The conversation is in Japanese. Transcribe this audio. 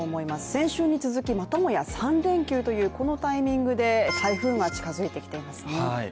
先週に続きまたもや３連休というこのタイミングで台風が近づいてきていますね。